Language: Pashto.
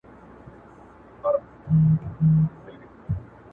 پټ ځنځيرونه